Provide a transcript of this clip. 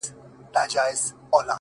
چي ښکلي سترګي ستا وویني ـ